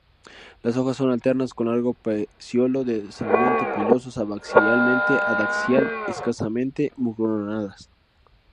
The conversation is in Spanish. Las hojas son alternas, con largo peciolo, densamente pilosas abaxialmente y adaxial escasamente, mucronadas.